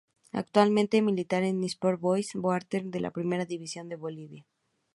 Actualmente milita en el Sport Boys Warnes de la Primera División de Bolivia.